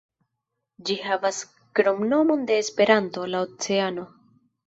Ĝi havas kromnomon de Esperanto: "La Oceano".